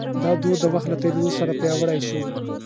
دا دود د وخت له تېرېدو سره پیاوړی شو.